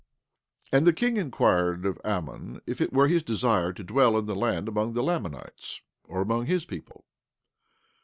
17:22 And the king inquired of Ammon if it were his desire to dwell in the land among the Lamanites, or among his people.